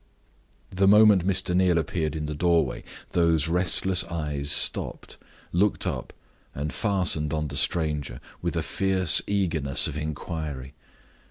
The moment Mr. Neal appeared in the doorway, those restless eyes stopped, looked up, and fastened on the stranger with a fierce eagerness of inquiry.